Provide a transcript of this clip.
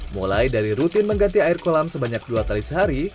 mulai dari rutin mengganti air kolam sebanyak dua kali sehari